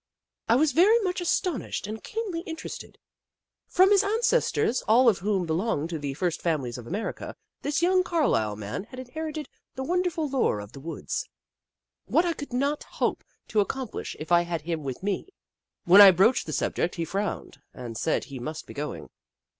I was very much astonished and keenly in terested. From his ancestors, all of whom belonged to the First Families of America, this young Carlisle man had inherited the won derful lore of the woods. What could I not hope to accomplish if I had him with me ! When I broached the subject, he frowned, and said he must be going.